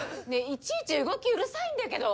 いちいち動きうるさいんだけど！